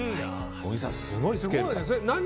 小木さん、すごいスケール。